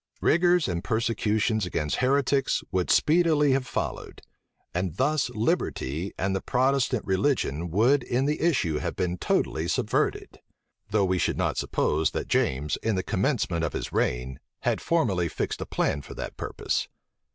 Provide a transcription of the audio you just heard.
Rigors and persecutions against heretics would speedily have followed: and thus liberty and the Protestant religion would in the issue have been totally subverted; though we should not suppose that James, in the commencement of his reign, had formally fixed a plan for that purpose.